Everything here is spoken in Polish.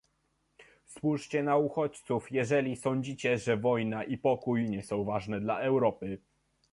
Spójrzcie na uchodźców, jeżeli sądzicie, że wojna i pokój nie są ważne dla Europy"